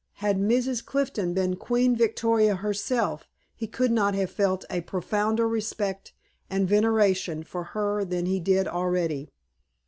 Had Mrs. Clifton been Queen Victoria herself, he could not have felt a profounder respect and veneration for her than he did already.